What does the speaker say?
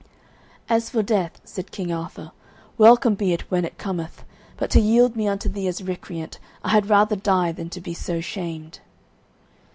"As for death," said King Arthur, "welcome be it when it cometh; but to yield me unto thee as recreant, I had rather die than to be so shamed."